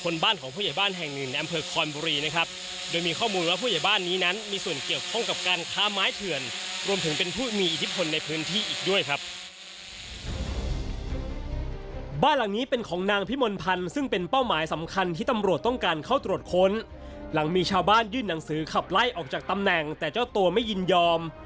นายครับโดยมีข้อมูลว่าผู้ใหญ่บ้านนี้นั้นมีส่วนเกี่ยวของกับการค้าไม้เถื่อนรวมถึงเป็นผู้มีอิทธิพลในพื้นที่อีกด้วยครับบ้านหลังนี้เป็นของนางพิมนภัณฑ์ซึ่งเป็นเป้าหมายสำคัญที่ตำรวจต้องการเข้าโตรดคนหลังมีชาวบ้านยื่นหนังสือขับไลฟ์ออกจากตำแหน่งแต่เจ้าตัวไม่ยินยอม